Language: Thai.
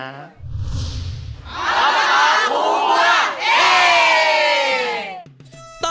อัศวะครูบัวเอ๊